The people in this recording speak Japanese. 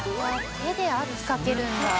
手で圧かけるんだ。